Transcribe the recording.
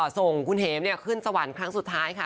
ส่งคุณเหมขึ้นสวรรค์ครั้งสุดท้ายค่ะ